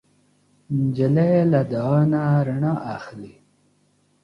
نجلۍ له دعا نه رڼا اخلي.